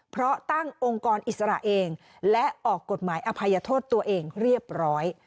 เพราะตั้งองค์กรอิสระเองและออกกฎหมายอภัยโทษตัวเองเรียบร้อย